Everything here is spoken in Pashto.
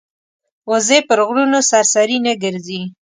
وزې پر غرونو سرسري نه ګرځي